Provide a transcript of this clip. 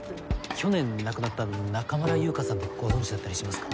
去年亡くなった中村優香さんってご存じだったりしますか？